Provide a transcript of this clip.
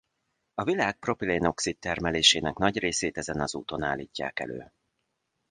A világ propilén-oxid termelésének nagy részét ezen az úton állítják elő.